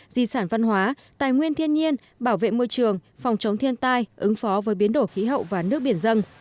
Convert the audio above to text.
di sản văn hóa tài nguyên thiên nhiên bảo vệ môi trường phòng chống thiên tai ứng phó với biến đổi khí hậu và nước biển dân